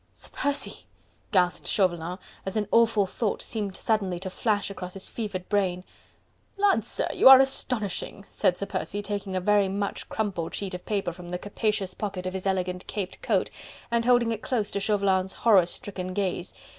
"Sir Percy!..." gasped Chauvelin, as an awful thought seemed suddenly to flash across his fevered brain. "Lud, sir, you are astonishing!" said Sir Percy, taking a very much crumpled sheet of paper from the capacious pocket of his elegant caped coat, and holding it close to Chauvelin's horror stricken gaze.